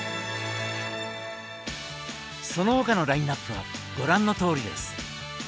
その他のラインナップはご覧のとおりです。